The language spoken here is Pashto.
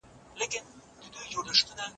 په اوبو کي خپلو پښو ته په کتلو